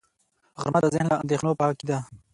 غرمه د ذهن له اندېښنو پاکي ده